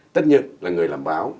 tất nhiên là người làm báo